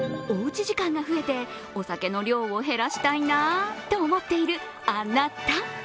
おうち時間が増えて、お酒の量を減らしたいなと思っているあなた。